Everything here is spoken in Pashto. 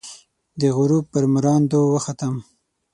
د غروب پر مراندو، وختم